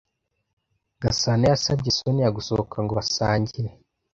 Gasana yasabye Soniya gusohoka ngo basangire.